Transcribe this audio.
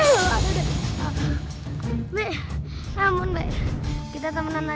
ibu ketiduran ya